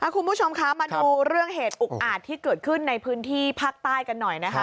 คุณผู้ชมคะมาดูเรื่องเหตุอุกอาจที่เกิดขึ้นในพื้นที่ภาคใต้กันหน่อยนะคะ